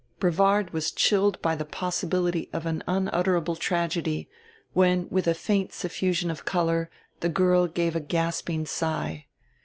Brevard was chilled by the possibility of an unutterable tragedy, when with a faint suffusion of color the girl gave a gasping sigh.